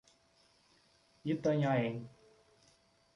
Itanhaém